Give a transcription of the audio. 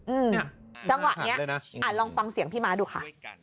อืมจังหวะนี้ลองฟังเสียงพี่ม้าดูค่ะ